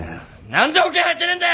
何で保険入ってねえんだ！